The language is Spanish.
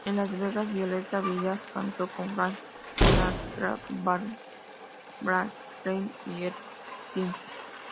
En Las Vegas Violetta Villas cantó con Frank Sinatra, Barbra Streisand y Eartha Kitt.